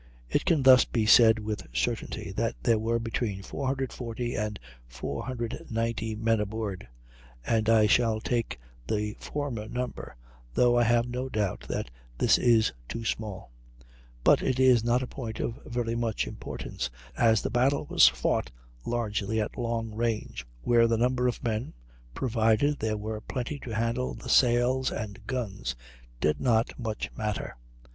It can thus be said with certainty that there were between 440 and 490 men aboard, and I shall take the former number, though I have no doubt that this is too small. But it is not a point of very much importance, as the battle was fought largely at long range, where the number of men, provided there were plenty to handle the sails and guns, did not much matter.